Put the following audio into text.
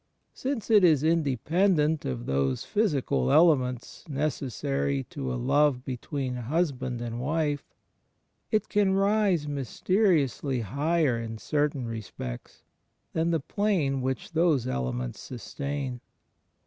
Since it is independent of those physical elements necessary to a love between husband and wife, it can rise mysteriously higher in certain respects, than the plane which those elements sustain.